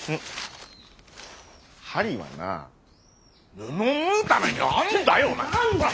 針はな布縫うためにあんだよ！